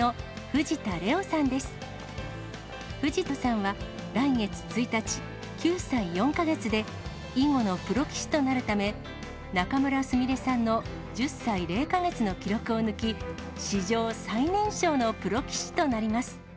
藤田さんは来月１日、９歳４か月で、囲碁のプロ棋士となるため、仲邑菫さんの１０歳０か月の記録を抜き、史上最年少のプロ棋士となります。